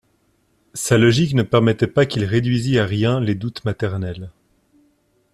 Sa logique ne permettait pas qu'il réduisît à rien les doutes maternels.